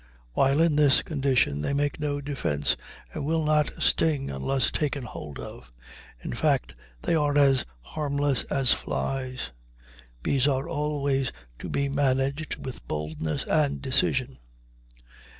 While in this condition they make no defense, and will not sting unless taken hold of. In fact they are as harmless as flies. Bees are always to be managed with boldness and decision.